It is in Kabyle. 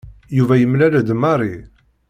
Yuba yemlal-d Mary.